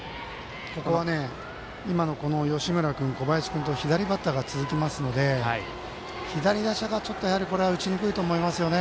ここは今の吉村君、小林君と左バッターが続きますので左打者は、これは打ちにくいと思いますよね。